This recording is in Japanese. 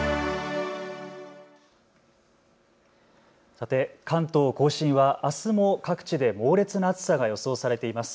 さて関東甲信はあすも各地で猛烈な暑さが予想されています。